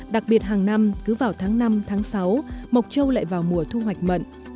đặc biệt hàng năm cứ vào tháng năm tháng sáu mộc châu lại vào mùa thu hoạch mận